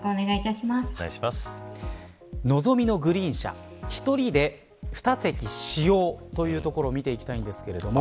のぞみのグリーン車１人で２席使用というところを見ていきたいんですけれども。